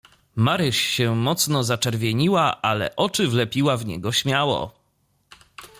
"Maryś się mocno zaczerwieniła, ale oczy wlepiła w niego śmiało."